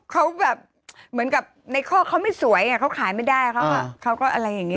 เขาแบบเหมือนกับในข้อเขาไม่สวยเขาขายไม่ได้เขาก็อะไรอย่างนี้